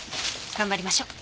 頑張りましょう。